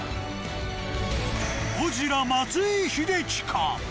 ゴジラ松井秀喜か。